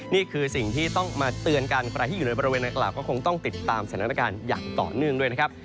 นี่คือสิ่งที่ต้องมาเตือนกันใครที่อยู่ในบริเวณนางกล่าวก็คงต้องติดตามสถานการณ์อย่างต่อเนื่องด้วยนะครับ